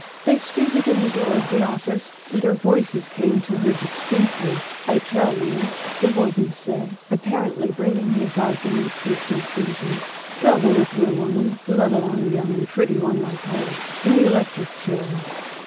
They stood within the door of the office, and their voices came to her distinctly. "I tell you," the warden said, apparently bringing his argument to a conclusion, "they'll never put a woman let alone a young and pretty one like her in the electric chair."